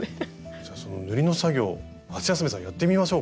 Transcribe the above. じゃその塗りの作業ハシヤスメさんやってみましょうか。